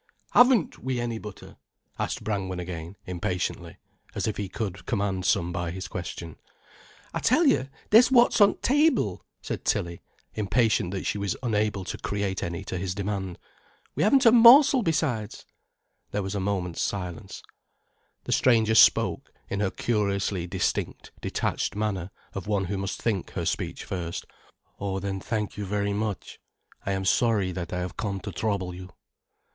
"Haven't we any butter?" asked Brangwen again, impatiently, as if he could command some by his question. "I tell you there's what's on t' table," said Tilly, impatient that she was unable to create any to his demand. "We haven't a morsel besides." There was a moment's silence. The stranger spoke, in her curiously distinct, detached manner of one who must think her speech first. "Oh, then thank you very much. I am sorry that I have come to trouble you."